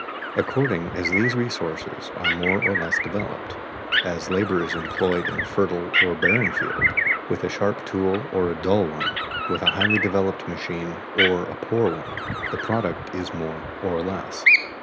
According as these resources are more or less developed, as labor is employed in a fertile or a barren field, with a sharp tool or a dull one, with a highly developed machine or a poor one, the product is more or less.